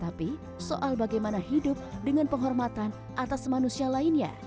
tapi soal bagaimana hidup dengan penghormatan atas manusia lainnya